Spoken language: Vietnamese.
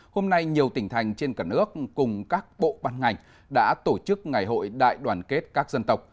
hôm nay nhiều tỉnh thành trên cả nước cùng các bộ ban ngành đã tổ chức ngày hội đại đoàn kết các dân tộc